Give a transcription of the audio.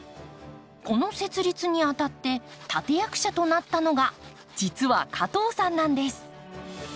この設立にあたって立て役者となったのが実は加藤さんなんです。